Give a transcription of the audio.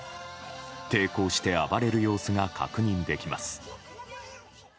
抵抗して暴れる様子が確認できます。